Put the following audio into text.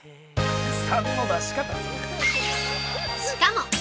しかも！